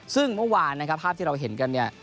ซึ่งเมื่อวานนะครับภาพที่เราเห็นกันเนี่ย